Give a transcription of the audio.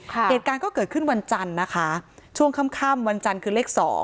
เหตุการณ์ก็เกิดขึ้นวันจันทร์นะคะช่วงค่ำวันจันทร์คือเลขสอง